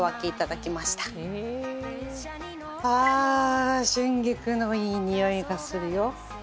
「へえ」ああ春菊のいいにおいがするよ。